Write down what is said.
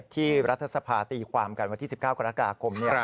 รัฐสภาตีความกันวันที่๑๙กรกฎาคม